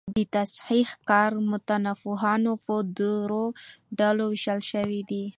د تصحیح کار متنپوهانو په درو ډلو ویشلی دﺉ.